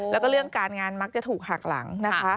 แล้วก็เรื่องการงานมักจะถูกหักหลังนะคะ